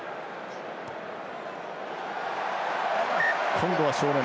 今度は正面。